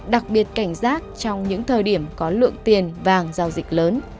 đặc biệt cảnh giác trong những thời điểm có lượng tiền vàng giao dịch lớn